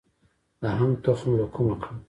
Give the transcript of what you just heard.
د هنګ تخم له کومه کړم؟